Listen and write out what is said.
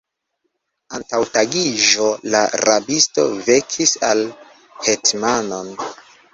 Antaŭ tagiĝo la rabisto vekis la hetmanon.